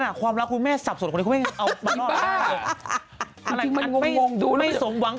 ขนาดความรักคุณแม่สับสนคุณแม่เอาไปรอละ